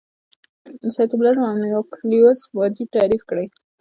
د سایتوپلازم او نیوکلیوس باډي تعریف کړي.